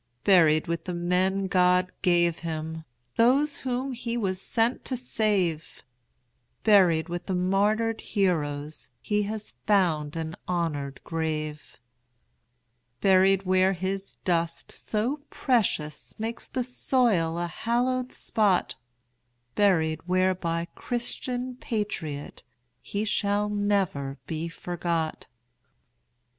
Buried with the men God gave him, Those whom he was sent to save; Buried with the martyred heroes, He has found an honored grave. Buried where his dust so precious Makes the soil a hallowed spot; Buried where by Christian patriot He shall never be forgot.